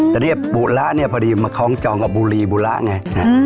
แต่เนี่ยบุระเนี่ยพอดีมาคล้องจองกับบุรีบูระไง